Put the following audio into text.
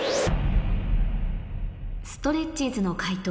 ストレッチーズの解答